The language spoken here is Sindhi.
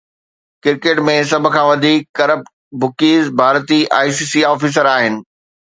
ڪرڪيٽ ۾ سڀ کان وڌيڪ ڪرپٽ بکيز ڀارتي، آءِ سي سي آفيسر آهن